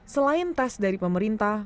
selain tes dari pemerintah